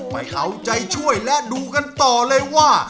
ไปเอาใจช่วยและดูกันต่อเลยว่า